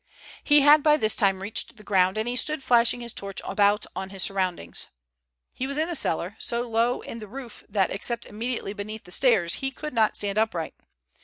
He had by this time reached the ground, and he stood flashing his torch about on his surroundings. He was in a cellar, so low in the roof that except immediately beneath the stairs he could not stand upright.